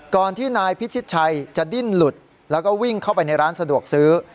ก่อนที่นายพิชิตชัยจะดิ้นหลุดแล้วก็วิ่งเข้าไปในร้านสะดวกซื้อ